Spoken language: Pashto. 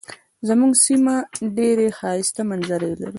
زمونږ سیمه ډیرې ښایسته منظرې لري.